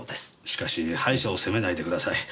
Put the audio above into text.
しかし歯医者を責めないでください。